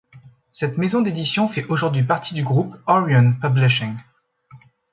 Cette maison d'édition fait aujourd'hui partie du groupe Orion Publishing.